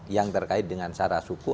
yang terkait dengan syarat suku